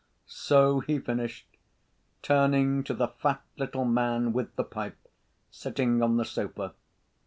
So he finished, turning to the fat little man, with the pipe, sitting on the sofa.